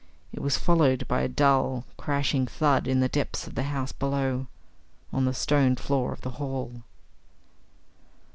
It was followed by a dull, crashing thud in the depths of the house below on the stone floor of the hall.